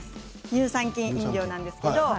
乳酸菌飲料なんですけど。